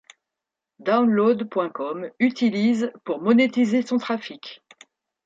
Download.com utilise pour monétiser son trafic.